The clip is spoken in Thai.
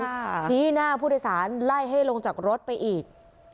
ชี้หน้าผู้โดยสารไล่ให้ลงจากรถไปอีก